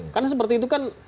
karena seperti itu kan